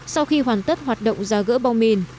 sau khi hoàn tất hoạt động giả gỡ bom mìn